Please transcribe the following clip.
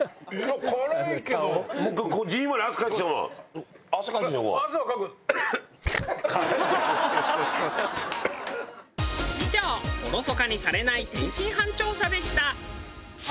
以上おろそかにされない天津飯調査でした。